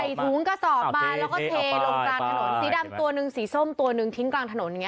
ถุงกระสอบมาแล้วก็เทลงกลางถนนสีดำตัวหนึ่งสีส้มตัวหนึ่งทิ้งกลางถนนไง